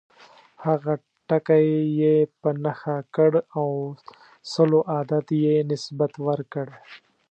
هغه ټکی یې په نښه کړ او سلو عدد یې نسبت ورکړ.